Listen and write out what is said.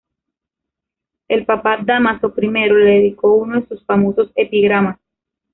El papa Dámaso I le dedicó uno de sus famosos epigramas.